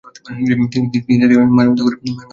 তিনি তাকে মায়ের মত করে লালনপালন করেন।